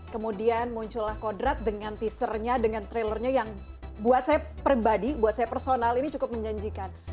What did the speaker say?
kemudian muncullah kodrat dengan teasernya dengan trailernya yang buat saya pribadi buat saya personal ini cukup menjanjikan